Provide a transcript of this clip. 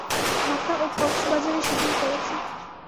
ঢাকা ও কক্সবাজারে শুটিং করেছি।